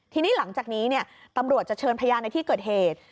ทีนี้หลังจากนี้ตำรวจจะเชิญพยานในที่เกิดเหตุ